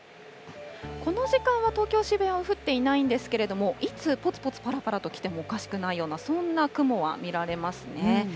この時間は東京・渋谷は降っていないんですけれども、いつ、ぽつぽつ、ぱらぱらきてもおかしくないような、そんな雲は見られますね。